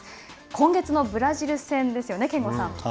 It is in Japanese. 今月のブラジル戦ですよね憲剛さん。